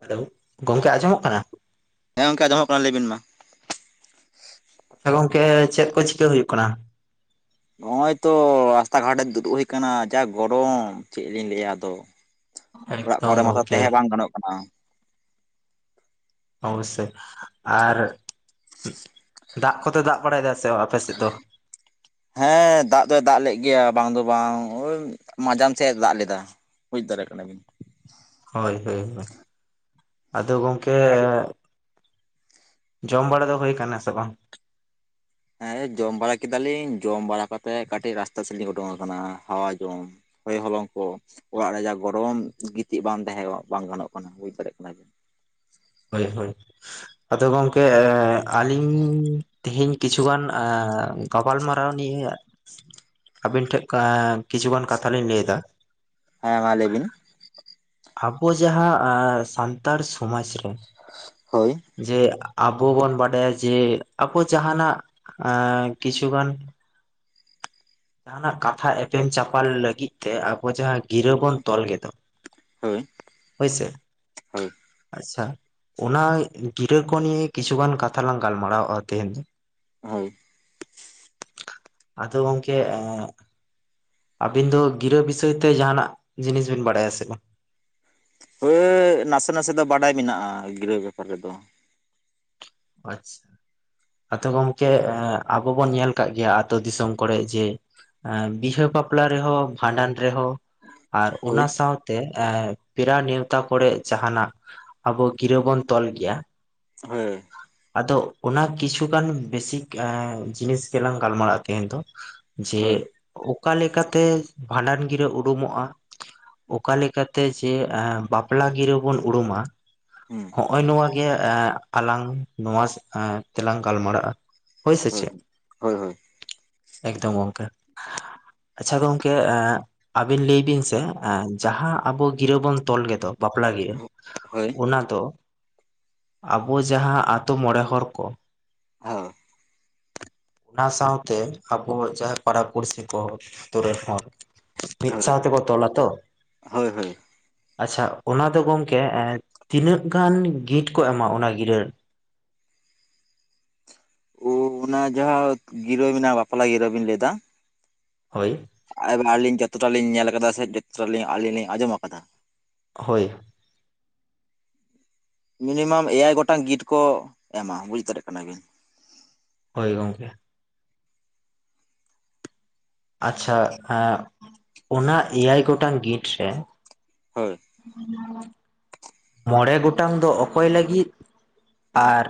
Hello ᱜᱚᱢᱠᱮ ᱟᱸᱡᱚᱢᱚᱜ ᱠᱟᱱᱟ ᱦᱮᱸ ᱜᱚᱢᱠᱮ ᱟᱸᱡᱚᱢᱚᱜ ᱠᱟᱱᱟ ᱞᱟᱹᱭᱵᱤᱱ ᱢᱟ ᱜᱚᱝᱠᱮ ᱪᱮᱫ ᱠᱚ ᱪᱤᱠᱟᱹ ᱦᱩᱭᱩᱜ ᱠᱟᱱᱟ ᱱᱚᱜ ᱚᱭ ᱛᱚ ᱨᱟᱥᱛᱟ ᱜᱷᱟᱴ ᱨᱮ ᱫᱩᱲᱩᱵ ᱦᱩᱭ ᱟᱠᱟᱱᱟ ᱡᱟ ᱜᱚᱨᱚᱢ ᱪᱮᱫ ᱞᱤᱧ ᱞᱟᱹᱭᱼᱟ ᱟᱫᱚ ᱚᱲᱟᱜ ᱮᱠᱫᱚᱢ ᱠᱚᱨᱮ ᱢᱚᱛᱚ ᱜᱚᱝᱠᱮ ᱛᱟᱦᱮᱸ ᱵᱟᱝ ᱜᱟᱱᱚᱜ ᱠᱟᱱᱟ ᱚᱵᱚᱥᱳᱭ ᱟᱨ ᱫᱟᱜ ᱠᱚᱫᱚ ᱫᱟᱜ ᱵᱟᱲᱟᱭ ᱫᱟ ᱥᱮ ᱟᱯᱮ ᱥᱮᱫ ᱫᱚ ᱦᱮᱸ ᱫᱟᱜ ᱫᱚᱭ ᱫᱟᱜ ᱞᱮᱫ ᱜᱮᱭᱟ ᱵᱟᱝ ᱫᱚ ᱵᱟᱝ ᱢᱟᱡᱟᱱ ᱥᱮᱫ ᱮ ᱫᱟᱜ ᱞᱮᱫᱟ ᱵᱩᱡ ᱫᱟᱲᱮᱭᱟᱜ ᱠᱟᱱᱟᱵᱤᱱ ᱦᱳᱭ ᱦᱳᱭ ᱦᱳᱭ ᱟᱫᱚ ᱜᱚᱝᱠᱮ ᱡᱚᱢ ᱵᱟᱲᱟ ᱫᱚ ᱦᱩᱭ ᱟᱠᱟᱱᱟ ᱥᱮ ᱵᱟᱝ ᱦᱮᱸ ᱡᱚᱢ ᱵᱟᱲᱟ ᱠᱮᱫᱟᱞᱤᱧ ᱡᱚᱢ ᱵᱟᱲᱟ ᱠᱟᱛᱮᱜ ᱠᱟᱹᱴᱤᱡ ᱨᱟᱥᱛᱟ ᱥᱮᱫ ᱞᱤᱧ ᱩᱰᱩᱝ ᱟᱠᱟᱱᱟ ᱦᱟᱣᱟ ᱡᱚᱢ ᱦᱚᱭ ᱦᱚᱞᱚᱝ ᱠᱚ ᱚᱲᱟᱜ ᱨᱮ ᱡᱟ ᱜᱚᱨᱚᱢ ᱜᱤᱛᱤᱡ ᱵᱟᱝ ᱛᱟᱦᱮᱸᱜ ᱵᱟᱝ ᱜᱟᱱᱚᱜ ᱠᱟᱱᱟ ᱵᱩᱡ ᱫᱟᱲᱮᱭᱟᱜ ᱠᱟᱱᱟ ᱵᱤᱱ ᱦᱳᱭ ᱦᱳᱭ ᱟᱫᱚ ᱜᱚᱝᱠᱮ ᱟᱹᱞᱤᱧ ᱛᱮᱦᱮᱧ ᱠᱤᱪᱷᱩ ᱜᱟᱱ ᱜᱟᱯᱟᱞᱢᱟᱨᱟᱣ ᱞᱤᱱ ᱟᱹᱵᱤᱱ ᱴᱷᱮᱱ ᱠᱤᱪᱷᱩᱜᱟᱱ ᱠᱟᱛᱷᱟ ᱞᱤᱧ ᱞᱟᱹᱭ ᱫᱟ ᱦᱮᱸ ᱢᱟ ᱞᱟᱹᱭ ᱵᱤᱱ ᱟᱵᱚ ᱡᱟᱦᱟᱸ ᱥᱟᱱᱛᱟᱲ ᱥᱚᱢᱟᱡᱽ ᱨᱮ ᱦᱳᱭ ᱡᱮ ᱟᱵᱚ ᱵᱚᱱ ᱵᱟᱰᱟᱭᱟ ᱡᱮ ᱟᱵᱚ ᱡᱟᱦᱟᱱᱟᱜ ᱠᱤᱪᱷᱩᱜᱟᱱ [unintelligible] ᱡᱟᱦᱟᱸᱱᱟᱸᱜ ᱠᱟᱛᱷᱟ ᱮᱯᱮᱞ ᱪᱟᱯᱟᱞ ᱞᱟᱹᱜᱤᱫ ᱛᱮ ᱟᱵᱚ ᱡᱟᱦᱟᱸ ᱜᱤᱨᱟᱹ ᱵᱚᱱ ᱛᱚᱞ ᱜᱤᱫᱚ ᱦᱳᱭ ᱦᱳᱭ ᱥᱮ ᱦᱳᱭ ᱟᱪᱪᱷᱟ ᱚᱱᱟ ᱜᱤᱨᱟᱹ ᱠᱚ ᱱᱤᱭᱮ ᱠᱤᱪᱷᱩᱜᱟᱱ ᱠᱟᱛᱷᱟ ᱞᱟᱝ ᱜᱟᱞᱢᱟᱨᱟᱣᱼᱟ ᱛᱮᱦᱮᱧ ᱫᱚ ᱦᱳᱭ ᱟᱫᱚ ᱜᱚᱝᱠᱮ ᱟᱵᱤᱱ ᱫᱚ ᱜᱤᱨᱟᱹ ᱵᱤᱥᱚᱭ ᱛᱮ ᱡᱟᱦᱟᱸᱱᱟᱜ ᱡᱤᱱᱤᱥ ᱵᱤᱱ ᱵᱟᱲᱟᱭᱟ ᱥᱮ ᱵᱟᱝ ᱦᱮ ᱱᱟᱥᱮ ᱱᱟᱥᱮ ᱫᱚ ᱵᱟᱰᱟᱭ ᱢᱮᱱᱟᱜᱼᱟ ᱜᱤᱨᱟᱹ ᱵᱮᱯᱟᱨ ᱨᱮᱫᱚ ᱟᱪᱪᱷᱟ ᱟᱛ ᱜᱚᱝᱠᱮ ᱟᱵᱚ ᱵᱚᱱ ᱧᱮᱞ ᱠᱟᱜ ᱜᱮᱭᱟ ᱟᱹᱛᱳ ᱫᱤᱥᱚᱢ ᱠᱚᱨᱮ ᱡᱮ ᱵᱤᱦᱟᱹ ᱵᱟᱯᱞᱟ ᱨᱮᱦᱚᱸ ᱵᱷᱟᱸᱰᱟᱱ ᱨᱮᱦᱚᱸ ᱟᱨ ᱚᱱᱟ ᱦᱳᱭ ᱥᱟᱶᱛᱮ ᱛᱮ ᱮ ᱯᱮᱲᱟ ᱱᱮᱣᱛᱟ ᱠᱚᱨᱮ ᱡᱟᱦᱟᱸᱱᱟᱜ ᱟᱵᱚ ᱜᱤᱨᱟᱹ ᱵᱚᱱ ᱛᱚᱞ ᱜᱮᱭᱟ ᱦᱮᱸ ᱟᱫᱚ ᱚᱱᱟ ᱠᱤᱪᱷᱩᱜᱟᱱ ᱵᱮᱥᱤᱠ ᱡᱤᱱᱤᱥ ᱜᱮᱞᱟᱝ ᱜᱟᱞᱢᱟᱨᱟᱜᱼᱟ ᱛᱮᱦᱮᱧ ᱫᱚ ᱡᱮ ᱦᱳᱭ ᱚᱠᱟ ᱞᱮᱠᱟᱛᱮ ᱵᱷᱟᱸᱰᱟᱱ ᱜᱤᱨᱟᱹ ᱩᱰᱩᱢᱚᱜᱼᱟ ᱚᱠᱟ ᱞᱮᱠᱟᱛᱮ ᱡᱮ ᱵᱟᱯᱞᱟ ᱜᱤᱨᱟᱹ ᱵᱚᱱ ᱩᱨᱩᱢᱟ ᱦᱩᱸ ᱦᱚᱸᱜᱼᱚᱭ ᱱᱚᱣᱟᱜᱮ ᱟᱞᱟᱝ ᱱᱚᱣᱟ ᱛᱮᱞᱟᱝ ᱜᱟᱞᱢᱟᱨᱟᱜᱼᱟ ᱦᱳᱭ ᱥᱮ ᱪᱮᱫ ᱦᱳᱭ ᱦᱳᱭ ᱦᱳᱭ ᱮᱠᱫᱚᱢ ᱜᱚᱝᱠᱮ ᱟᱪᱪᱷᱟ ᱜᱚᱝᱠᱮ ᱮ ᱟᱵᱤᱱ ᱞᱟᱹᱭ ᱵᱤᱱ ᱥᱮ ᱡᱟᱦᱟᱸ ᱟᱵᱚ ᱜᱤᱨᱟᱹ ᱵᱚᱱ ᱛᱚᱞ ᱜᱮᱫᱚ ᱵᱟᱯᱞᱟ ᱜᱤᱨᱟᱹ ᱦᱳᱭ ᱚᱱᱟ ᱫᱚ ᱟᱵᱚ ᱡᱟᱦᱟᱸ ᱟᱛᱩ ᱢᱚᱬᱮ ᱦᱚᱲ ᱠᱚ ᱦᱩᱸ [unintelligible] ᱚᱱᱟ ᱥᱟᱶᱛᱮ ᱟᱵᱚ ᱡᱟᱦᱟᱸ ᱯᱟᱲᱟ ᱯᱩᱲᱥᱤ ᱠᱚ ᱟᱹᱛᱩ ᱨᱤᱱ ᱦᱚᱲ ᱢᱤᱫ ᱦᱳᱭ ᱥᱟᱶ ᱛᱮᱵᱚ ᱛᱚᱞᱟ ᱛᱚ ᱦᱳᱭ ᱦᱳᱭ ᱟᱪᱪᱷᱟ ᱚᱱᱟ ᱫᱚ ᱜᱚᱝᱠᱮ ᱛᱤᱱᱟᱹᱜ ᱜᱟᱱ ᱜᱤᱴ ᱠᱚ ᱮᱢᱟ ᱚᱱᱟ ᱜᱤᱨᱟᱹ ᱚᱱᱟ ᱡᱟᱦᱟᱸ ᱜᱤᱨᱟᱹ ᱢᱮᱱᱟᱜᱼᱟ ᱵᱟᱯᱞᱟ ᱜᱤᱨᱟᱹ ᱵᱮᱱ ᱞᱟᱹᱭ ᱫᱟ ᱦᱳᱭ ᱮᱵᱟᱨ ᱟᱹᱞᱤᱧ ᱡᱚᱛᱚᱴᱟ ᱞᱤᱧ ᱧᱮᱞ ᱟᱠᱟᱫᱟ ᱥᱮ ᱡᱚᱛᱚᱴᱟ ᱟᱹᱞᱤᱧ ᱟᱸᱡᱚᱢ ᱟᱠᱟᱫᱟ ᱦᱳᱭ ᱢᱤᱱᱤᱢᱟᱢ ᱮᱭᱟᱭ ᱜᱚᱴᱟᱝ ᱜᱤᱴ ᱠᱚ ᱮᱢᱟ ᱵᱩᱡᱽ ᱫᱟᱲᱮᱭᱟᱜ ᱠᱟᱱᱟ ᱵᱤᱱ ᱦᱳᱭ ᱜᱚᱝᱠᱮ ᱟᱪᱪᱷᱟ ᱚᱱᱟ ᱮᱭᱟᱭ ᱜᱚᱴᱟᱝ ᱜᱤᱴ ᱨᱮ ᱦᱳᱭ ᱦᱩᱸ [unintelligible] ᱢᱚᱬᱮ ᱜᱚᱴᱟᱝ ᱫᱚ ᱚᱠᱚᱭ ᱞᱟᱹᱜᱤᱫ ᱟᱨ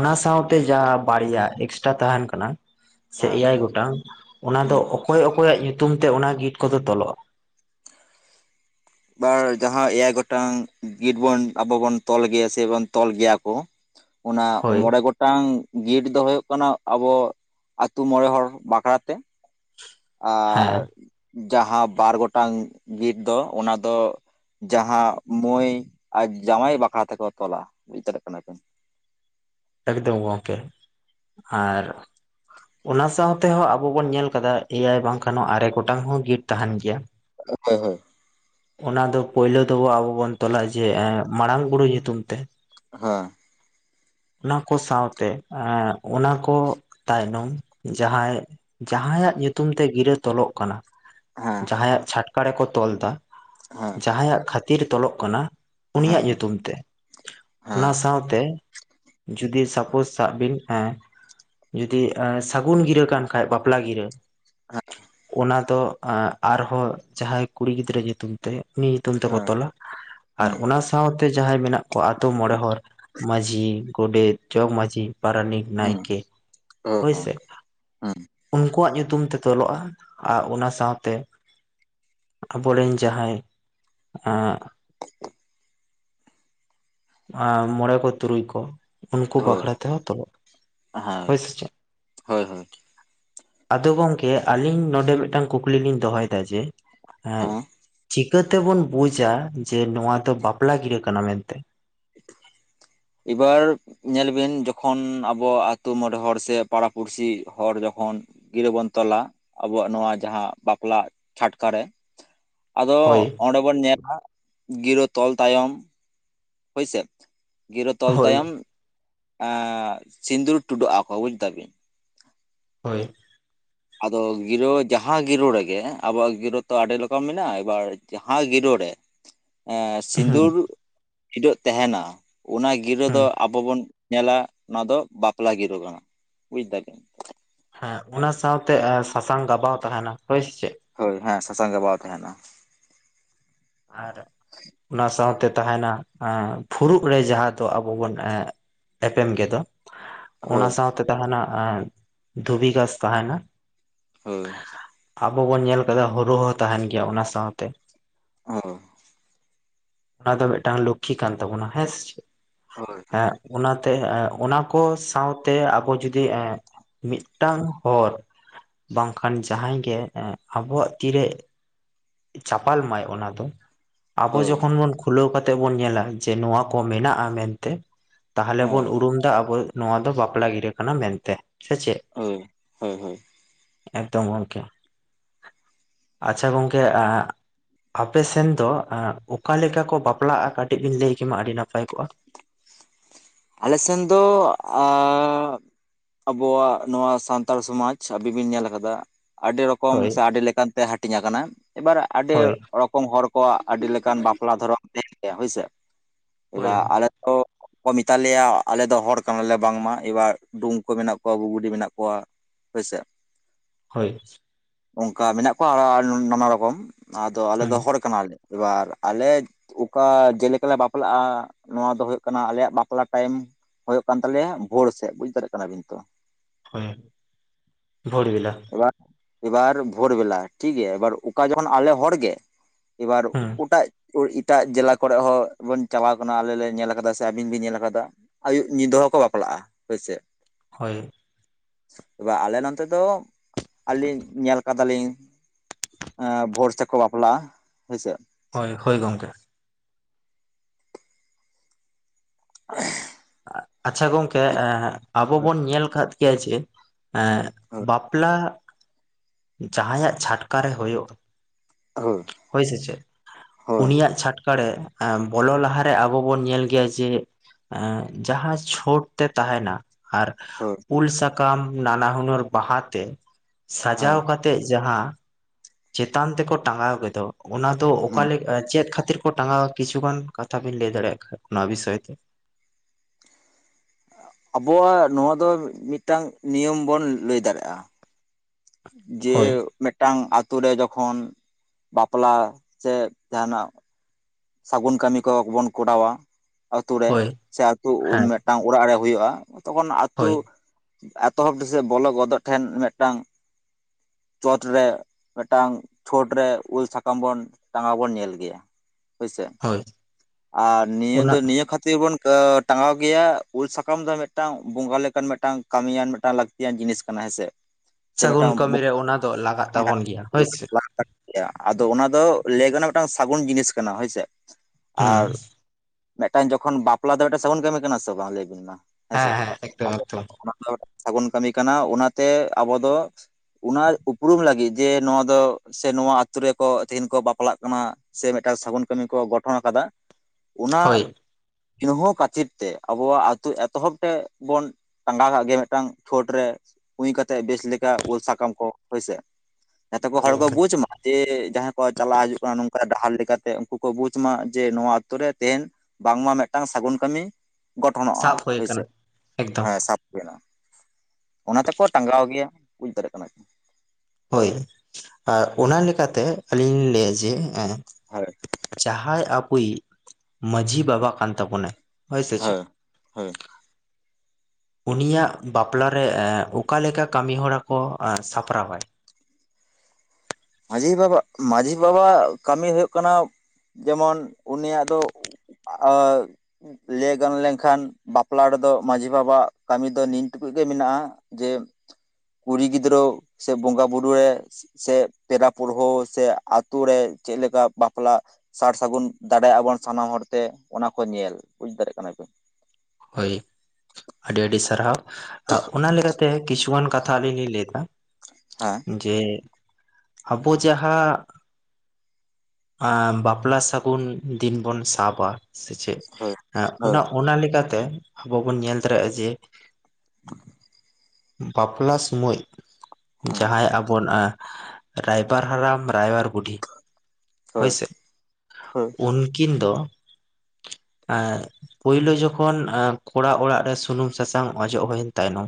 ᱚᱱᱟ ᱥᱟᱶᱛᱮ ᱡᱟ ᱵᱟᱨᱭᱟ ᱮᱠᱥᱴᱟᱨᱟ ᱛᱟᱦᱮᱱ ᱠᱟᱱᱟ ᱥᱮ ᱦᱮᱸ ᱮᱭᱟᱭ ᱜᱚᱴᱟᱝ ᱚᱱᱟ ᱫᱚ ᱦᱩᱸ ᱚᱠᱚᱭ ᱚᱠᱚᱭᱟᱜ ᱧᱩᱛᱩᱢ ᱛᱮ ᱚᱱᱟ ᱜᱤᱴ ᱠᱚᱫᱚ ᱛᱚᱞᱚᱜ-ᱟ ᱵᱟᱨ ᱡᱟᱦᱟᱸ ᱮᱭᱟᱭ ᱜᱚᱴᱟᱝ ᱜᱤᱴ ᱵᱚᱱ ᱟᱵᱚ ᱵᱚᱱ ᱛᱚᱞ ᱜᱮᱭᱟ ᱥᱮᱵᱚᱱ ᱛᱚᱞ ᱜᱮᱭᱟ ᱠᱚ [inaudible] ᱚᱱᱟ ᱢᱚᱬᱮ ᱜᱚᱴ ᱴᱟᱝ ᱜᱤᱴ ᱫᱚ ᱦᱩᱭᱩᱜ ᱠᱟᱱᱟ ᱟᱵᱚ ᱟᱛᱩ ᱢᱚᱬᱮ ᱦᱚᱲ ᱵᱟᱠᱷᱨᱟ ᱛᱮ ᱟᱨ ᱦᱮᱸ ᱡᱟᱦᱟᱸ ᱵᱟᱨ ᱜᱚᱴᱟᱝ ᱜᱤᱴ ᱫᱚ ᱚᱱᱟ ᱫᱚ ᱡᱟᱦᱟᱸ ᱢᱟᱹᱭ ᱟᱡ ᱡᱟᱶᱟᱭ ᱵᱟᱠᱷᱨᱟ ᱛᱮᱠᱚ ᱛᱚᱞᱟ ᱵᱩᱡ ᱫᱟᱲᱮᱭᱟᱜ ᱠᱟᱱᱟᱵᱤᱱ ᱮᱠᱫᱚᱢ ᱜᱚᱝᱠᱮ ᱟᱨ ᱚᱱᱟ ᱥᱟᱶᱛᱮᱦᱚᱸ ᱟᱵᱚ ᱵᱚᱱ ᱧᱮᱞ ᱟᱠᱟᱫᱟ ᱮᱭᱟᱭ ᱵᱟᱝᱠᱷᱟᱱ ᱟᱨᱮ ᱜᱚᱴᱟᱝ ᱦᱚᱸ ᱜᱤᱴ ᱛᱟᱦᱮᱱ ᱜᱮᱭᱟ ᱦᱳᱭ ᱦᱳᱭ ᱚᱱᱟ ᱫᱚ ᱯᱳᱭᱞᱳ ᱫᱚᱵᱚ ᱟᱵᱚ ᱵᱚᱱ ᱛᱚᱞᱟ ᱡᱮ ᱢᱟᱨᱟᱝ ᱵᱩᱨᱩ ᱧᱩᱛᱩᱢ ᱛᱮ ᱦᱮᱸ ᱚᱱᱟ ᱠᱚ ᱥᱟᱶᱛᱮ ᱮ ᱚᱱᱟ ᱠᱚ ᱛᱟᱭᱱᱚᱢ ᱡᱟᱦᱟᱸᱭ ᱡᱟᱦᱟᱸᱭᱟᱜ ᱧᱩᱛᱩᱢ ᱛᱮ ᱜᱤᱨᱟᱹ ᱛᱚᱞᱚᱜ ᱠᱟᱱᱟ ᱦᱚᱸ ᱡᱟᱦᱟᱸᱭᱟᱜ ᱪᱷᱟᱴᱠᱟ ᱨᱮᱠᱚ ᱛᱚᱞ ᱮᱫᱟ ᱦᱮᱸ ᱡᱟᱦᱟᱸᱭᱟᱜ ᱠᱷᱟᱹᱛᱤᱨ ᱛᱚᱞᱚᱜ ᱠᱟᱱᱟ ᱩᱱᱤᱭᱟᱜ ᱦᱮᱸ ᱧᱩᱛᱩᱢ ᱛᱮ ᱚᱱᱟ ᱦᱮᱸ ᱥᱟᱶᱛᱮ ᱡᱩᱫᱤ ᱥᱟᱯᱳᱡ ᱥᱟᱵ ᱵᱤᱱ ᱦᱮᱸ ᱡᱚᱫᱤ ᱥᱟᱹᱜᱩᱱ ᱜᱤᱨᱟᱹ ᱠᱟᱱ ᱠᱷᱟᱱᱡ ᱵᱟᱯᱞᱟ ᱜᱤᱨᱟᱹ ᱦᱮᱸ ᱚᱫᱚ ᱟᱨᱦᱚᱸ ᱡᱟᱦᱟᱸᱭ ᱠᱩᱲᱤ ᱜᱤᱫᱽᱨᱟᱹ ᱧᱩᱛᱩᱢ ᱛᱮ ᱩᱱᱤ ᱧᱩᱛᱩᱢ ᱛᱮᱠᱚ ᱦᱮᱸ ᱛᱚᱞᱟ ᱟᱨ ᱦᱮᱸ ᱚᱱᱟ ᱥᱟᱶᱛᱮ ᱡᱟᱦᱟᱸᱭ ᱢᱮᱱᱟᱜ ᱠᱚᱣᱟ ᱟᱛᱩ ᱢᱚᱬᱮ ᱦᱚᱲ ᱢᱟᱺᱡᱷᱤ ᱜᱚᱰᱮᱫ ᱡᱚᱠᱽ ᱢᱟᱹᱡᱷᱤ ᱯᱟᱨᱟᱱᱤᱠ ᱦᱩᱸ ᱱᱟᱭᱠᱮ ᱦᱩᱸ ᱦᱮᱸ ᱩᱱᱠᱩᱣᱟᱜ ᱧᱩᱛᱩᱢ ᱛᱮ ᱛᱚᱞᱚᱜᱼᱟ ᱟ ᱚᱱᱟ ᱥᱟᱶᱛᱮ ᱟᱵᱚᱨᱮᱱ ᱡᱟᱦᱟᱸᱭ ᱢᱚᱬᱮ ᱠᱚ ᱛᱩᱨᱩᱭ ᱠᱚ ᱩᱱᱠᱩ ᱦᱳᱭ ᱵᱟᱠᱷᱨᱟ ᱛᱮᱦᱚᱸ ᱛᱚᱞᱚᱜ ᱦᱳᱭ ᱥᱮ ᱪᱮᱫ? ᱦᱳᱭ ᱦᱳᱭ ᱟᱫᱚ ᱜᱚᱢᱠᱮ ᱟᱞᱤᱧ ᱱᱚᱰᱮ ᱢᱤᱫᱴᱟᱱ ᱠᱩᱠᱞᱤ ᱞᱤᱧ ᱫᱚᱦᱚᱭᱮᱫᱟ ᱡᱮ ᱮᱸ ᱦᱮᱸ ᱪᱤᱠᱟᱹᱛᱮᱵᱩᱱ ᱵᱩᱡᱟ ᱡᱮ ᱱᱚᱣᱟ ᱫᱚ ᱵᱟᱯᱞᱟ ᱜᱤᱨᱟᱹ ᱠᱟᱱᱟ ᱢᱮᱱᱛᱮ᱾ ᱮᱵᱟᱨ ᱧᱮᱞ ᱵᱤᱱ ᱡᱚᱠᱷᱚᱱ ᱟᱵᱚ ᱟᱛᱩ ᱢᱚᱬᱮ ᱦᱚᱲ ᱥᱮ ᱯᱟᱲᱟ ᱯᱩᱲᱥᱤ ᱦᱚᱲ ᱡᱚᱠᱷᱚᱱ ᱜᱤᱨᱟᱹ ᱵᱚᱱ ᱛᱚᱞᱟ ᱟᱵᱚᱣᱟᱜ ᱱᱚᱣᱟ ᱡᱟᱦᱟᱸ ᱵᱟᱯᱞᱟ ᱪᱷᱟᱴᱠᱟ ᱨᱮ᱾ ᱟᱫᱚ ᱦᱳᱭ ᱚᱸᱰᱮ ᱵᱚᱱ ᱧᱮᱞᱟ ᱜᱤᱨᱟᱹ ᱛᱚᱞ ᱛᱟᱭᱚᱢ, ᱦᱳᱭᱥᱮ ᱜᱤᱨᱟᱹ ᱛᱚᱞ ᱦᱳᱭ ᱛᱟᱭᱚᱢ, ᱟᱸᱻ ᱥᱤᱸᱫᱩᱨ ᱴᱩᱰᱟᱹᱜ ᱟᱠᱚ ᱵᱩᱡᱽ ᱫᱟᱵᱤᱱ᱾ ᱦᱳᱭ᱾ ᱟᱫᱚ ᱜᱤᱨᱟᱹ ᱡᱟᱦᱟᱸ ᱜᱤᱨᱟᱹ ᱨᱮᱜᱮ ᱟᱵᱚᱣᱟᱜ ᱜᱤᱨᱟᱹ ᱛᱚ ᱟᱹᱰᱤ ᱨᱚᱠᱚᱢ ᱢᱮᱱᱟᱜ-ᱟ, ᱮᱵᱟᱨ ᱡᱟᱦᱟᱸᱭ ᱜᱤᱨᱟᱹ ᱨᱮ᱾ ᱮᱸ ᱥᱤᱸᱫᱩᱨ ᱴᱤᱰᱟᱹᱜ ᱛᱟᱦᱮᱱᱟ ᱚᱱᱟ ᱜᱤᱨᱟᱹ ᱦᱮᱸ ᱫᱚ ᱟᱵᱚ ᱵᱚᱱ ᱧᱮᱞᱟ ᱱᱚᱣᱟ ᱫᱚ ᱵᱟᱯᱞᱟ ᱜᱤᱨᱟᱹ ᱠᱟᱱᱟ᱾ ᱵᱩᱡ ᱫᱟᱵᱤᱱ? ᱦᱮᱸ ᱚᱱᱟ ᱥᱟᱶᱛᱮ ᱥᱟᱥᱟᱝ ᱜᱟᱵᱟᱣ ᱛᱟᱦᱮᱱᱟ ᱦᱳᱭ ᱥᱮ ᱪᱮᱫ? ᱦᱳᱭ ᱦᱮᱸ ᱥᱟᱥᱟᱝ ᱜᱮ ᱵᱟᱝ ᱛᱟᱦᱮᱱᱟ᱾ ᱟᱨ ᱚᱱᱟ ᱥᱟᱶᱛᱮ ᱛᱟᱦᱮᱱᱟ ᱯᱷᱩᱲᱩᱜ ᱨᱮ ᱡᱟᱦᱟᱸ ᱫᱚ ᱟᱵᱚ ᱵᱚᱱ ᱮᱸᱜ ᱮᱯᱮᱢ ᱜᱮ ᱫᱚ᱾ ᱚᱱᱟ ᱦᱳᱭ ᱥᱟᱶᱛᱮ ᱛᱟᱦᱮᱱᱟ ᱮ ᱫᱷᱩᱵᱤ ᱜᱷᱟᱸᱥ ᱛᱟᱦᱮᱱᱟ᱾ ᱦᱳᱭ᱾ ᱟᱵᱚ ᱵᱚᱱ ᱧᱮᱞ ᱠᱟᱫᱟ ᱦᱩᱲᱩ ᱦᱚᱸ ᱛᱟᱦᱮᱱ ᱜᱮᱭᱟ ᱚᱱᱟ ᱥᱟᱶᱛᱮ᱾ ᱚᱸ ᱚᱱᱟ ᱫᱚ ᱢᱤᱫᱴᱟᱝ ᱞᱚᱠᱠᱷᱤ ᱠᱟᱱ ᱛᱟᱵᱚᱱᱟ᱾ ᱦᱮᱸ ᱥᱮ ᱪᱮᱫ᱾ ᱮᱸᱜ ᱚᱱᱟᱛᱮ ᱮᱸᱜ ᱚᱱᱟ ᱠᱚ ᱥᱟᱶᱛᱮ ᱟᱵᱚ ᱡᱩᱫᱤ ᱮᱸᱻ ᱢᱤᱫᱴᱟᱝ ᱦᱚᱨ ᱵᱟᱝᱠᱷᱟᱱ ᱡᱟᱦᱟᱸᱭ ᱜᱮ ᱟᱵᱚᱣᱟᱜ ᱛᱤ ᱨᱮ ᱪᱟᱯᱟᱞ ᱢᱟᱭ ᱚᱱᱟ ᱫᱚ᱾ ᱦᱳᱭ ᱟᱵᱚ ᱦᱳᱭ ᱡᱚᱠᱷᱚᱱ ᱵᱚᱱ ᱠᱷᱩᱞᱟᱹᱣ ᱠᱟ ᱛᱮ ᱵᱚᱱ ᱧᱮᱞᱟ ᱡᱮ, ᱱᱚᱣᱟ ᱠᱚ ᱢᱮᱱᱟᱜᱼᱟ ᱢᱮᱱᱛᱮ ᱛᱟᱦᱚᱞᱮ ᱵᱚᱱ ᱦᱳᱭ ᱩᱨᱩᱢ ᱫᱟ, ᱟᱵᱚ ᱱᱚᱣᱟ ᱫᱚ ᱵᱟᱯᱞᱟ ᱜᱤᱨᱟᱹ ᱠᱟᱱᱟ ᱢᱮᱱᱛᱮ ᱥᱮ ᱪᱮᱫ? ᱦᱳᱭ, ᱦᱳᱭ, ᱦᱳᱭ᱾ ᱮᱠᱫᱚᱢ ᱜᱚᱝᱠᱮ᱾ ᱟᱪᱪᱷᱟ ᱜᱚᱝᱠᱮ ᱟᱻ ᱟᱯᱮ ᱥᱮᱱ ᱫᱚ ᱚᱠᱟᱞᱮ ᱞᱮᱠᱟ ᱠᱚ ᱵᱟᱯᱞᱟᱜᱼᱟ᱾ ᱠᱟᱹᱴᱤᱡ ᱵᱮᱱ ᱞᱟᱹᱭ ᱠᱮᱢᱟ ᱟᱹᱰᱤ ᱱᱟᱯᱟᱭ ᱠᱚᱜᱼᱟ᱾ ᱟᱞᱮ ᱥᱮᱱ ᱫᱚ ᱮᱸᱻ ᱟᱵᱚᱣᱟᱜ ᱱᱚᱣᱟ ᱥᱟᱱᱛᱟᱞ ᱥᱚᱢᱟᱡᱽ ᱟᱵᱤᱱ ᱵᱤᱱ ᱧᱮᱞ ᱟᱠᱟᱫᱟ ᱾ ᱟᱹᱰᱤ ᱨᱚ ᱠᱚᱢ ᱦᱳᱭ ᱥᱮ ᱟᱹᱰᱤ ᱞᱮᱠᱟ ᱛᱮ ᱦᱟᱹᱴᱤᱧ ᱟᱠᱟᱱᱟ᱾ ᱮᱵᱟᱨ ᱟᱹᱰᱤ ᱦᱳᱭ ᱨᱚᱠ ᱠᱚᱢ ᱦᱚᱲ ᱠᱚᱣᱟᱜ ᱟᱹᱰᱤ ᱞᱮᱠᱟᱱ ᱵᱟᱯᱞᱟ ᱫᱷᱚᱨᱚᱢ ᱧᱮᱞᱛᱮ ᱦᱳᱭᱥᱮ, ᱦᱳᱭ ᱮᱵᱟᱨ ᱟᱞᱮ ᱫᱚ ᱛᱟᱞᱮᱭᱟ ᱟᱞᱮ ᱫᱚ ᱦᱚᱲ ᱠᱟᱱᱟᱞᱮ ᱵᱟᱝᱢᱟ, ᱮᱵᱟᱨ ᱰᱩᱢᱠᱟᱹ ᱠᱚ ᱢᱮᱱᱟᱜ ᱠᱚᱣᱟ, ᱵᱩᱜᱩᱰᱤ ᱢᱮᱱᱟᱜ ᱠᱚᱣᱟ᱾ ᱦᱳᱭ ᱥᱮ᱾ ᱦᱳᱭ ᱚᱱᱠᱟ ᱢᱮᱱᱟᱜ ᱠᱚᱣᱟ ᱱᱟᱱᱟ ᱨᱚᱠᱚᱢ, ᱟᱫᱚ ᱟᱞᱮ ᱦᱩᱸ ᱫᱚ ᱦᱚᱲ ᱠᱟᱱᱟ ᱞᱮ᱾ ᱮᱵᱟᱨ ᱟᱞᱮ ᱚᱠᱟ ᱡᱮ ᱞᱮᱠᱟ ᱞᱮ ᱵᱟᱯᱞᱟᱜᱼᱟ᱾ ᱱᱚᱣᱟ ᱫᱚ ᱦᱳᱭᱳᱜ ᱠᱟᱱᱟ ᱟᱞᱮᱭᱟᱜ ᱵᱟᱼᱼ ᱯᱞᱟ ᱛᱟᱭᱤᱢ ᱦᱳᱭᱳᱜ ᱠᱟᱱ ᱛᱟᱞᱮᱭᱟ ᱵᱷᱳᱨ ᱥᱮᱫ, ᱵᱩᱡ ᱫᱟᱨᱮᱜ ᱠᱟᱱᱟ ᱵᱤᱱ ᱛᱚ᱾ ᱦᱮᱸ ᱵᱷᱳᱨ ᱵᱮᱞᱟ᱾ ᱮᱵᱟᱨ, ᱮᱵᱟᱨ ᱵᱷᱳᱨ ᱵᱮᱞᱟ ᱴᱷᱤᱠ ᱜᱮᱭᱟ, ᱮᱵᱟᱨ ᱚᱠᱟ ᱡᱚᱠᱷᱚᱱ ᱟᱞᱮ ᱦᱚᱲ ᱜᱮ ᱮᱵᱟᱨ ᱦᱩᱸ ᱳᱴᱟᱜ ᱮᱴᱟᱜ ᱡᱮᱞᱟ ᱠᱚᱨᱮ ᱦᱚᱸ ᱵᱚᱱ ᱪᱟᱞᱟᱣ ᱠᱟᱱᱟ᱾ ᱟᱞᱮ ᱞᱮ ᱧᱮᱞ ᱟᱠᱟᱫᱟ ᱥᱮ ᱟᱵᱤᱱ ᱵᱤᱱ ᱧᱮᱞ ᱠᱟᱫᱟ ᱟᱹᱭᱩᱵ ᱧᱤᱫᱟᱹ ᱦᱚᱸᱠᱚ ᱵᱟᱯᱞᱟᱜᱼᱟ, ᱦᱳᱭ ᱥᱮ᱾ ᱦᱳᱭ ᱛᱚᱵᱮ ᱟᱞᱮ ᱱᱚᱱᱛᱮ ᱫᱚ ᱟᱹᱞᱤᱧ ᱧᱮᱞ ᱠᱟᱫᱟ ᱞᱤᱧ᱾ ᱮᱸ ᱵᱷᱳᱨ ᱛᱮᱠᱚ ᱵᱟᱯᱞᱟᱜᱼᱟ᱾ ᱦᱳᱭ ᱥᱮ᱾ ᱦᱳᱭ, ᱦᱳᱭ ᱜᱚᱝᱠᱮ᱾ [unintelligible] ᱟᱪᱷᱟ ᱜᱚᱝᱠᱮ, ᱮᱸ ᱟᱵᱚ ᱵᱚᱱ ᱧᱮᱞ ᱟᱠᱟᱫ ᱜᱮᱭᱟ ᱡᱮ, ᱦᱳᱭ ᱵᱟᱯᱞᱟ, ᱡᱟᱦᱟᱸᱭᱟᱜ ᱪᱷᱟᱴᱠᱟ ᱨᱮ ᱦᱳᱭᱳᱜ [inaudible] ᱦᱳᱭ ᱥᱮ ᱪᱮᱫ? ᱦᱳᱭ ᱩᱱᱤᱭᱟᱜ ᱪᱷᱟᱴᱠᱟ ᱨᱮ ᱮ ᱵᱚᱞᱚ ᱞᱟᱦᱟᱨᱮ ᱟᱵᱚ ᱵᱚᱱ ᱧᱮᱞ ᱜᱮᱭᱟ ᱡᱮ᱾ ᱡᱟᱦᱟᱸ ᱪᱷᱳᱴ ᱛᱮ ᱛᱟᱦᱮᱱᱟ ᱟᱨ ᱩᱞ ᱥᱟᱠᱟᱢ ᱱᱟᱱᱟ ᱦᱩᱱᱟᱹᱨ ᱵᱟᱦᱟᱛᱮ, ᱥᱟᱡᱟᱣ ᱦᱮᱸ ᱠᱟᱛᱮ ᱡᱟᱦᱟᱸ ᱪᱮᱛᱟᱱ ᱛᱮᱠᱚ ᱴᱟᱸᱜᱟᱣ ᱜᱮᱫᱚ ᱚᱱᱟ ᱫᱚ ᱚᱠᱟ ᱦᱮᱸ [inaudible] ᱪᱮᱫ ᱠᱷᱟᱹᱛᱤᱨ? ᱠᱚ ᱴᱟᱸᱜᱟᱣᱼᱟ ᱠᱤᱪᱷᱩ ᱜᱟᱱ ᱠᱟᱛᱷᱟ ᱵᱤᱱ ᱞᱟᱹᱭ ᱫᱟᱲᱮᱭᱟᱜ ᱠᱷᱟᱡ ᱚᱱᱟ ᱵᱤᱥᱚᱭ ᱛᱮ᱾ ᱟᱵᱚᱣᱟᱜ ᱱᱚᱣᱟ ᱫᱚ ᱢᱤᱫᱴᱟᱝ ᱱᱤᱭᱚᱢ ᱵᱚᱱ ᱞᱟᱹᱭ ᱫᱟᱨᱮᱭᱟᱜᱼᱟ᱾ ᱡᱮ ᱦᱳᱭ ᱢᱤᱫᱴᱟᱝ ᱟᱛᱩ ᱨᱮ ᱡᱚᱠᱷᱚᱱ ᱵᱟᱯᱞᱟ ᱥᱮ ᱡᱟᱦᱟᱱᱟᱜ ᱥᱟᱹᱜᱩᱱ ᱠᱟᱹᱢᱤ ᱠᱚᱵᱚᱱ ᱠᱚᱨᱟᱣᱟ ᱟᱛᱩ ᱨᱮ ᱦᱳᱭ ᱥᱮ ᱟᱹᱛᱩ ᱦᱮᱸ [inaudible] [inaudible] ᱚᱲᱟᱜ ᱨᱮ ᱦᱳᱭᱳᱜᱳᱼᱟ᱾ ᱛᱚᱠᱷᱚᱱ ᱟᱛᱩ ᱦᱳᱭ ᱮᱛᱚᱦᱚᱵ ᱡᱮᱥᱮ ᱵᱚᱞᱚ ᱜᱚᱫᱚᱜ ᱴᱷᱮᱱ ᱢᱤᱫᱴᱟᱝ ᱪᱚᱴ ᱨᱮ ᱢᱤᱫᱴᱟᱝ ᱪᱚᱴ ᱨᱮ, ᱩᱞ ᱥᱟᱠᱟᱢ ᱵᱚᱱ ᱴᱟᱸᱜᱟᱣ ᱵᱚᱱ ᱧᱮᱞ ᱜᱮᱭᱟ᱾ ᱦᱳᱭ ᱥᱮ, ᱟᱨ ᱱᱤᱭᱟᱹ ᱚᱱᱟ ᱫᱚ ᱱᱤᱭᱟᱹ ᱠᱷᱟᱹᱛᱤᱨ ᱵᱚᱱ ᱴᱟᱸᱜᱟᱣ ᱜᱮᱭᱟ ᱩᱞ ᱥᱟᱠᱟᱢ ᱫᱚ ᱢᱤᱫᱴᱟᱝ ᱵᱚᱸᱜᱟ ᱞᱮᱠᱟᱱ ᱢᱤᱫᱴᱟᱝ ᱠᱟᱹᱢᱤᱭᱟᱱ ᱢᱤᱫᱴᱟᱝ ᱞᱟᱹᱠᱛᱤᱭᱟᱱ ᱡᱤᱱᱤᱥ ᱠᱟᱱᱟ ᱦᱮᱸ ᱥᱮ᱾ ᱥᱟᱹᱜᱩᱱ ᱢᱤᱫᱴᱟᱝ ᱠᱟᱹᱢᱤ ᱨᱮ ᱚᱱᱟ ᱫᱚ ᱞᱟᱜᱟᱜ ᱛᱟᱵᱚᱱ ᱜᱮᱭᱟ ᱦᱳᱭ ᱥᱮ᱾ ᱟᱫᱚ ᱚᱱᱟ ᱫᱚ ᱞᱟᱹᱭ ᱜᱟᱱᱚᱜᱼᱟ ᱢᱤᱫᱴᱟᱝ ᱥᱟᱹᱜᱩᱱ ᱡᱤᱱᱤᱥ ᱠᱟᱱᱟ, ᱦᱳᱭ ᱥᱮ ᱦᱮᱸ ᱟᱨ ᱢᱮᱫᱴᱟᱝ ᱡᱚᱠᱷᱚᱱ ᱵᱟᱯᱞᱟ ᱫᱚ ᱢᱮᱫᱴᱟᱝ ᱥᱟᱹᱜᱩᱱ ᱠᱟᱹᱢᱤ ᱠᱟᱱᱟ ᱥᱮ ᱵᱟᱝ ᱞᱟᱹᱭ ᱵᱤᱱ ᱢᱟ ᱦᱮᱸ ᱥᱮ ᱾ [unintelligible] ᱥᱟᱹᱜᱩᱱ ᱠᱟᱹᱢᱤ ᱠᱟᱱᱟ ᱚᱱᱟᱛᱮ ᱟᱵᱚ ᱫᱚ ᱚᱱᱟ ᱩᱯᱨᱩᱢ ᱞᱟᱹᱜᱤᱫ ᱡᱮ ᱱᱚᱣᱟ ᱫᱚ ᱥᱮ ᱱᱚᱣᱟ ᱟᱹᱛᱩ ᱨᱮᱠᱚ ᱛᱮᱦᱮᱧ ᱠᱚ ᱵᱟᱯᱞᱟᱜ ᱠᱟᱱᱟ᱾ ᱥᱮ ᱢᱤᱫᱴᱟᱝ ᱥᱟᱹᱜᱩᱱ ᱠᱟᱹᱢᱤ ᱠᱚ ᱜᱚᱴᱷᱚᱱ ᱟᱠᱟᱫᱟ ᱚᱱᱟ ᱦᱳᱭ [unintelligible] ᱠᱟᱹᱪᱤᱛ ᱛᱮ ᱟᱵᱚᱣᱟᱜ ᱟᱹᱛᱩ ᱮᱛᱚᱦᱚᱵ ᱛᱮ ᱵᱚᱱ ᱴᱟᱸᱜᱟ ᱠᱟᱜ ᱜᱮ ᱢᱤᱫᱴᱟᱝ ᱪᱷᱳᱴ ᱨᱮ ᱦᱩᱭ ᱠᱟᱛᱮᱜ ᱵᱮᱥ ᱞᱮᱠᱟ ᱩᱞ ᱥᱟᱠᱟᱢ ᱠᱚ ᱦᱚᱭᱥᱮ ᱜᱟᱛᱮ ᱠᱚ ᱦᱳᱭ ᱦᱚᱲ ᱠᱚ ᱜᱚᱢᱠᱮ ᱵᱩᱡ ᱢᱟ ᱡᱮ ᱡᱟᱦᱟᱸᱭ ᱠᱚ ᱪᱟᱞᱟᱜ ᱦᱤᱡᱩᱜ ᱠᱟᱱᱟ ᱱᱚᱝᱠᱟ ᱰᱟᱦᱟᱨ ᱞᱮᱠᱟᱛᱮ ᱛᱮ ᱩᱱᱠᱩ ᱠᱚ ᱵᱩᱡᱽ ᱢᱟ ᱡᱮ ᱱᱚᱣᱟ ᱟᱛᱳ ᱨᱮ ᱛᱮᱦᱮᱱ ᱵᱟᱝᱢᱟ ᱢᱮᱫᱴᱟᱝ ᱥᱟᱹᱜᱩᱱ ᱠᱟᱹᱢᱤ ᱜᱚᱴᱷᱚᱱᱚᱜᱼᱟ ᱥᱟᱵ ᱦᱳᱭ ᱦᱚᱭᱥᱮ ᱟᱠᱟᱱᱟ ᱮᱠᱫᱚᱢ ᱦᱮᱸ ᱥᱟᱯᱷ ᱦᱩᱭᱱᱟ ᱚᱱᱟ ᱛᱮᱠᱚ ᱴᱟᱸᱜᱟᱣ ᱜᱮᱭᱟ ᱠᱩᱡ ᱫᱟᱲᱮᱜ ᱠᱟᱱᱟ ᱠᱚ ᱦᱳᱭ ᱟᱜ ᱚᱱᱟ ᱞᱮᱠᱟᱛᱮ ᱟᱹᱞᱤᱧ ᱞᱟᱹᱭᱟ ᱡᱮ ᱦᱚᱭ ᱡᱟᱦᱟᱸᱭ ᱟᱵᱚᱭᱤᱜ ᱢᱟᱺᱡᱷᱤ ᱵᱟᱵᱟ ᱠᱟᱱ ᱛᱟᱵᱚᱱᱟᱭ ᱥᱮ ᱪᱮᱫ ᱦᱳᱭ ᱦᱳᱭ ᱩᱱᱤᱭᱟᱜ ᱵᱟᱯᱞᱟᱨᱮ ᱚᱠᱟ ᱞᱮᱠᱟ ᱠᱟᱹᱢᱤ ᱦᱚᱨᱟ ᱠᱚ ᱥᱟᱯᱲᱟᱣᱟᱭ? ᱢᱟᱺᱡᱷᱤ ᱵᱟᱵᱟᱜ ᱢᱟᱺᱡᱷᱤ ᱵᱟᱵᱟᱣᱟᱠ ᱠᱟᱹᱢᱤ ᱦᱩᱭᱩᱜ ᱠᱟᱱᱟ ᱡᱮᱢᱚᱱ ᱩᱱᱤᱭᱟᱜ ᱫᱚ [unintelligible] ᱞᱟᱹᱭ ᱜᱟᱱ ᱞᱮᱱᱠᱷᱟᱱ ᱵᱟᱯᱞᱟ ᱨᱮᱫᱚ ᱢᱟᱺᱡᱷᱤ ᱵᱟᱵᱟᱣᱟᱜ ᱠᱟᱹᱢᱤ ᱫᱚ ᱱᱤᱱ ᱴᱩᱠᱩᱡ ᱜᱮ ᱢᱮᱱᱟᱜᱼᱟ᱾ ᱡᱮ ᱠᱩᱲᱤ ᱜᱤᱫᱽᱨᱳ ᱥᱮ ᱵᱚᱸᱜᱟ ᱵᱩᱨᱩ ᱨᱮ ᱥᱮ ᱯᱮᱲᱟ ᱯᱳᱲᱦᱳ ᱥᱮ ᱟᱛᱳ ᱨᱮ ᱪᱮᱜ ᱞᱮᱠᱟ ᱵᱟᱯᱞᱟ ᱥᱟᱨ ᱥᱟᱹᱜᱩᱱ ᱫᱟᱲᱮᱭᱟᱜ ᱟᱵᱚᱱ ᱥᱟᱱᱟᱢ ᱦᱚᱲᱛᱮ ᱚᱱᱟ ᱠᱚ ᱧᱮᱞ ᱵᱩᱡ ᱫᱟᱲᱮᱭᱟᱜ ᱠᱟᱱᱟᱵᱤᱱ ᱦᱳᱭ ᱟᱹᱰᱤ ᱟᱹᱰᱤ ᱥᱟᱨᱦᱟᱣ ᱚᱱᱟ ᱞᱮᱠᱟᱛᱮ ᱠᱤᱪᱷᱩᱜᱟᱱ ᱠᱟᱛᱷᱟ ᱟᱹᱞᱤᱧ ᱞᱤᱧ ᱞᱟᱹᱭᱮᱫᱟ᱾ ᱦᱮᱸ ᱡᱮ ᱟᱵᱚ ᱡᱟᱦᱟᱸ ᱵᱟᱯᱞᱟ ᱥᱟᱹᱜᱩᱱ ᱫᱤᱱ ᱵᱚᱱ ᱥᱟᱵ-ᱟ᱾ ᱥᱮ ᱪᱮᱜ ᱦᱳᱭ ᱦᱮᱸ ᱦᱳᱭ ᱚᱱᱟ ᱚᱱᱟ ᱞᱮᱠᱟᱛᱮ ᱟᱵᱚ ᱵᱚᱱ ᱧᱮᱞ ᱫᱟᱲᱮᱭᱟᱜᱼᱟ ᱡᱮ [inaudible] ᱵᱟᱯᱞᱟ ᱥᱚᱢᱚᱭ ᱦᱳᱭ ᱡᱟᱦᱟᱸᱭ ᱟᱵᱚᱱ ᱟᱺ ᱨᱟᱭᱵᱟᱨ ᱦᱟᱨᱟᱢ ᱨᱟᱭᱵᱟᱨ ᱵᱩᱰᱷᱤ ᱦᱳᱭ ᱦᱳᱭᱥᱮᱜ ᱩᱱᱠᱤᱱ ᱫᱚ ᱟᱺ ᱯᱳᱭᱞᱩ ᱡᱚᱠᱷᱚᱱ ᱟᱺ ᱠᱚᱲᱟ ᱚᱲᱟᱜ ᱨᱮ ᱥᱩᱱᱩᱢ ᱥᱟᱥᱟᱝ ᱚᱡᱚᱜ ᱦᱩᱭᱮᱱ ᱛᱟᱭᱱᱚᱢ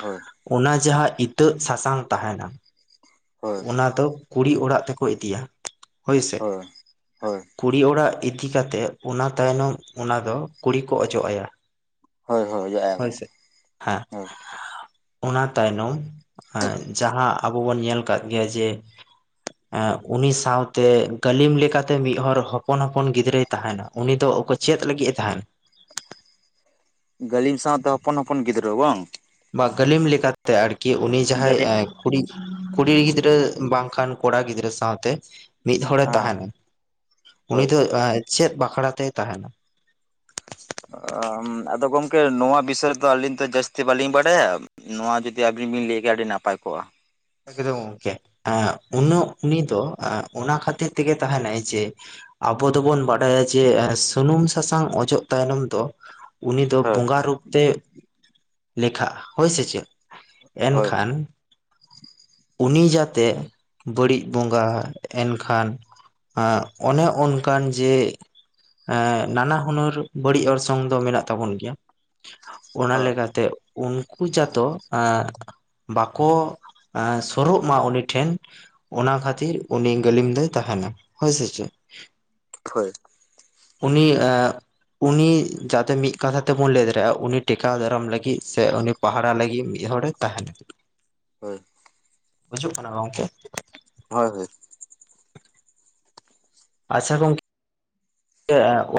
ᱦᱳᱭ ᱚᱱᱟ ᱡᱟᱦᱟᱸ ᱤᱛᱟᱹᱜ ᱥᱟᱥᱟᱝ ᱛᱟᱦᱮᱱᱟ ᱦᱳᱭ ᱚᱱᱟ ᱫᱚ ᱠᱩᱲᱤ ᱚᱲᱟᱜ ᱛᱮᱠᱚ ᱤᱫᱤᱭᱟ ᱦᱳᱭᱥᱮ ᱦᱳᱭ ᱦᱳᱭ ᱠᱩᱲᱤ ᱚᱲᱟᱜ ᱤᱫᱤ ᱠᱟᱛᱮᱜ ᱚᱱᱟ ᱛᱟᱭᱱᱚᱢ ᱚᱱᱟ ᱫᱚ ᱠᱩᱲᱤ ᱠᱚ ᱚᱡᱚᱜ ᱟᱭᱟ ᱦᱳᱭ ᱦᱳᱭ ᱚᱡᱚᱜ ᱟᱭᱟ ᱠᱚ ᱦᱳᱭᱥᱮ ᱦᱮᱸ ᱦᱳᱭ ᱚᱱᱟ ᱛᱟᱭᱱᱚᱢ ᱟᱹ ᱡᱟᱦᱟᱸ ᱟᱵᱚ ᱵᱚᱱ ᱧᱮᱞ ᱠᱟᱜ ᱜᱮᱭᱟ ᱡᱮ ᱟᱺ ᱩᱱᱤ ᱥᱟᱶᱛᱮ ᱜᱟᱹᱞᱤᱢ ᱞᱮᱠᱟᱛᱮ ᱢᱤᱫ ᱦᱚᱨ ᱦᱚᱯᱚᱱ ᱦᱚᱯᱚᱱ ᱜᱤᱫᱽᱨᱟᱹᱭ ᱛᱟᱦᱮᱱᱟ ᱩᱱᱤ ᱫᱚ ᱚᱠᱚ ᱪᱮᱫ ᱞᱟᱹᱜᱤᱫ ᱮ ᱛᱟᱦᱮᱱ ᱜᱟᱹᱞᱤᱢ ᱥᱟᱶᱛᱮ ᱦᱚᱯᱚᱱ ᱦᱚᱯᱚᱱ ᱜᱤᱫᱽᱨᱟᱹᱣ ᱵᱟᱝ ᱵᱟ ᱜᱟᱹᱞᱤᱢ ᱞᱮᱠᱟᱛᱮ ᱟᱨᱠᱤ ᱩᱱᱤ ᱡᱟᱦᱟᱸᱭ ᱜᱟᱹᱞᱤᱢ ᱮᱸ ᱠᱩᱲᱤᱜ ᱠᱩᱲᱤ ᱜᱤᱫᱽᱨᱟᱹ ᱵᱟᱝᱠᱷᱟᱱ ᱠᱚᱲᱟ ᱜᱤᱫᱽᱨᱟᱹ ᱥᱟᱶᱛᱮ ᱢᱤᱫ ᱦᱚᱲᱮ ᱦᱮᱸ ᱛᱟᱦᱮᱱᱟᱭ ᱩᱱᱤ ᱦᱳᱭ ᱫᱚ ᱟᱺ.. ᱪᱮᱫ ᱵᱟᱠᱷᱲᱟ ᱛᱮᱭ ᱛᱟᱦᱮᱱᱟ ᱟ. ᱻ ᱟᱫᱚ ᱜᱚᱝᱠᱮ ᱱᱚᱣᱟ ᱵᱤᱥᱚᱭ ᱫᱚ ᱟᱹᱞᱤᱧ ᱫᱚ ᱡᱟᱹᱥᱛᱤ ᱵᱟᱹᱞᱤᱧ ᱵᱟᱲᱟᱭᱟ ᱱᱚᱣᱟ ᱡᱩᱫᱤ ᱟᱵᱤᱱ ᱵᱤᱱ ᱞᱟᱹᱭ ᱠᱭᱟ ᱟᱹᱰᱤ ᱱᱟᱯᱟᱭ ᱠᱚᱜᱼᱟ ᱮᱠᱫᱚᱢ ᱜᱚᱝᱠᱮ ᱟᱺ ᱩᱱᱟᱹᱜ ᱩᱱᱤ ᱫᱚ ᱟᱺ ᱚᱱᱟ ᱠᱷᱟᱹᱛᱤᱨ ᱛᱮᱜᱮ ᱛᱟᱸᱦᱮᱱᱟᱭ ᱡᱮ ᱟᱵᱚ ᱫᱚᱵᱚᱱ ᱵᱟᱰᱟᱭᱟ ᱡᱮ ᱥᱩᱱᱩᱢ ᱥᱟᱥᱟᱝ ᱚᱡᱚᱜ ᱛᱟᱭᱱᱚᱢ ᱫᱚ ᱩᱱᱤ ᱫᱚ ᱦᱳᱭ ᱵᱚᱸᱜᱟ ᱨᱩᱯ ᱛᱮᱜ ᱞᱮᱠᱷᱟᱜᱼᱟ ᱦᱳᱭ ᱥᱮ ᱪᱮᱫ ᱦᱳᱭ ᱮᱱᱠᱷᱟᱱ ᱩᱱᱤ ᱡᱟᱛᱮ ᱵᱟᱹᱲᱤᱡ ᱵᱚᱸᱜᱟ ᱮᱱᱠᱷᱟᱱ ᱟᱺ ᱚᱱᱮ ᱚᱱᱠᱟᱱ ᱡᱮ ᱮᱸ ᱱᱟᱱᱟ ᱦᱩᱱᱟᱹᱨ ᱵᱟᱹᱲᱤᱡ ᱚᱨᱥᱚᱝ ᱫᱚ ᱢᱮᱱᱟᱜ ᱛᱟᱵᱚᱱ ᱜᱮᱭᱟ ᱚᱱᱟ ᱦᱳᱭ ᱞᱮᱠᱟᱛᱮ ᱩᱱᱠᱩ ᱡᱟᱛᱚ ᱟᱺ.. ᱵᱟᱠᱚ ᱟ... ᱥᱩᱨᱩᱜ ᱢᱟ ᱩᱱᱤ ᱴᱷᱮᱱ ᱚᱱᱟ ᱠᱷᱟᱹᱛᱤᱨ ᱩᱱᱤ ᱜᱟᱹᱞᱤᱢ ᱫᱚᱭ ᱛᱟᱦᱮᱸᱱᱟ ᱦᱳᱭ ᱥᱮ ᱪᱮᱫ ᱦᱳᱭ ᱩᱱᱤ ᱮ ᱩᱱᱤ ᱡᱟᱛᱮ ᱢᱤᱫ ᱠᱟᱛᱷᱟ ᱛᱮᱵᱚᱱ ᱞᱟᱹᱭ ᱫᱟᱲᱮᱭᱟᱜᱼᱟ ᱩᱱᱤ ᱴᱮᱠᱟᱣ ᱫᱟᱨᱟᱢ ᱞᱟᱹᱜᱤᱫ ᱥᱮ ᱩᱱᱤ ᱯᱟᱦᱟᱲᱟᱜ ᱞᱟᱹᱜᱤᱫ ᱢᱤᱫ ᱦᱚᱲ ᱮ ᱛᱟᱦᱮᱸᱱᱟ ᱦᱳᱭ ᱵᱩᱡᱩᱜ ᱠᱟᱱᱟ ᱜᱚᱢᱠᱮ ᱦᱳᱭ ᱦᱳᱭ ᱟᱪᱪᱷᱟ ᱜᱚᱝᱠᱮ [unintelligible]